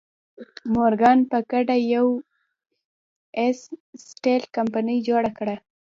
مورګان په ګډه د یو ایس سټیل کمپنۍ جوړه کړه.